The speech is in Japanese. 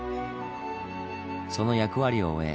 その役割を終え